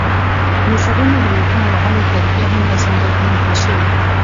د سرونو د مېخونو د وهلو طریقې هم راڅرګندې شوې.